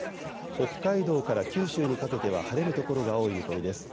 北海道から九州にかけては晴れる所が多い見込みです。